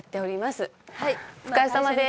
お疲れさまです。